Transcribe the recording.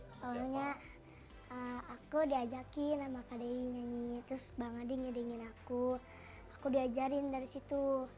awalnya aku diajakin sama kak dewi nyanyi terus bang adi nyedingin aku aku diajarin dari situ